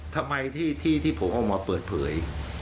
ทำไมที่ผมออกมาเปิดเผย